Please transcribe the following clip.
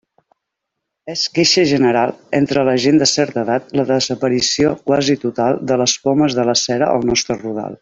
És queixa general entre la gent de certa edat la desaparició quasi total de les pomes de la cera al nostre rodal.